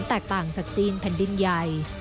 แตกต่างจากจีนแผ่นดินใหญ่